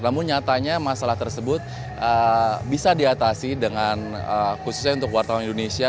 namun nyatanya masalah tersebut bisa diatasi dengan khususnya untuk wartawan indonesia